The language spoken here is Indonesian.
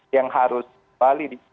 yang harus dibalik